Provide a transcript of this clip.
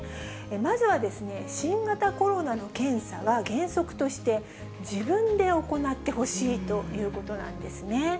まずは新型コロナの検査は原則として、自分で行ってほしいということなんですね。